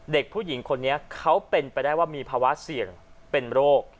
เด็กผู้หญิงคนนี้เขาเป็นไปได้ว่ามีภาวะเสี่ยงเป็นโรค